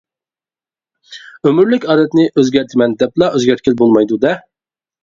ئۆمۈرلۈك ئادەتنى ئۆزگەرتىمەن دەپلا ئۆزگەرتكىلى بولمايدۇ-دە.